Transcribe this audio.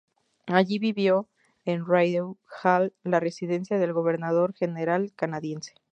Allí vivió en Rideau Hall, la residencia del gobernador general canadiense.